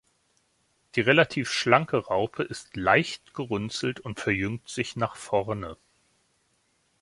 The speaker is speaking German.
Die relativ schlanke Raupe ist leicht gerunzelt und verjüngt sich nach vorne.